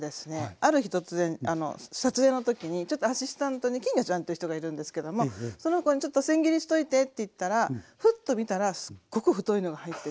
ある日突然撮影の時にちょっとアシスタントにきんぎょちゃんという人がいるんですけどもその子に「ちょっとせん切りしといて」って言ったらふっと見たらすっごく太いのが入ってて。